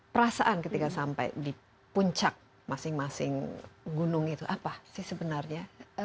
perasaan ketika sampai di puncak masing masing gunung itu apa sih sebenarnya